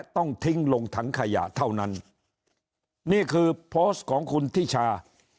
ต้องทิ้งลงถังขยะเท่านั้นนี่คือโพสต์ของคุณทิชา